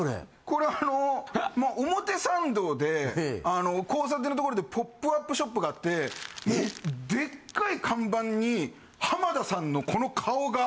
これあの表参道で交差点の所でポップアップショップがあってでっかい看板に浜田さんのこの顔が。